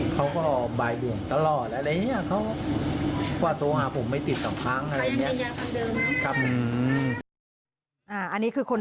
ก็ท่านเรใ้มาช่วยผมมาผมก็ใจชื้น